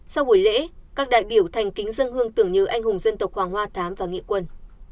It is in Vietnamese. sau buổi lễ các đại biểu thành kính dân hương tưởng nhớ anh hùng dân tộc hoàng hoa thám và nghĩa quân